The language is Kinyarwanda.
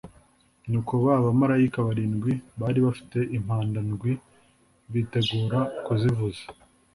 Nuko ba bamarayika barindwi bari bafite impanda ndwi bitegura kuzivuza.